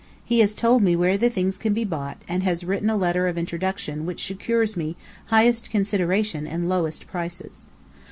He has told me where the things can be bought, and has written a letter of introduction which secures me "highest consideration and lowest prices."